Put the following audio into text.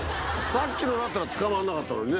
さっきのだったら捕まんなかったのにね。